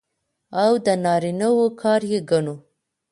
او د نارينه وو کار يې ګڼو.